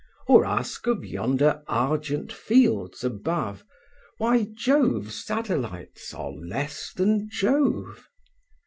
Or ask of yonder argent fields above, Why Jove's satellites are less than Jove?